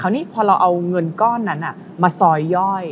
นี่พอเราเอาเงินก้อนนั้นมาซอยย่อย